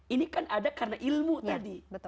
ini kan ada karena ilmu tadi